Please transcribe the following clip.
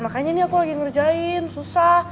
makanya ini aku lagi ngerjain susah